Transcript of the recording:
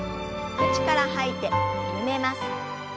口から吐いて緩めます。